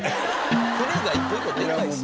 船が一個一個でかいっすわ。